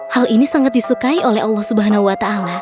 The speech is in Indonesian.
hal ini sangat disukai oleh allah swt